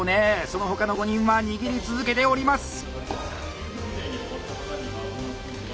その他の５人は握り続けております！